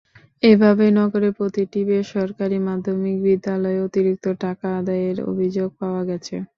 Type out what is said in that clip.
এভাবে নগরের প্রতিটি বেসরকারি মাধ্যমিক বিদ্যালয়ে অতিরিক্ত টাকা আদায়ের অভিযোগ পাওয়া গেছে।